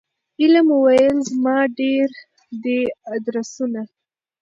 علم وویل زما ډیر دي آدرسونه